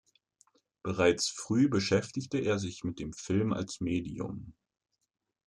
Bereits früh beschäftigte er sich mit dem Film als Medium.